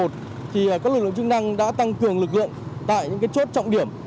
thì các lực lượng chức năng đã tăng cường lực lượng tại những chốt trọng điểm